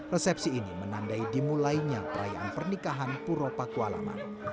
resepsi ini menandai dimulainya perayaan pernikahan puro pakualaman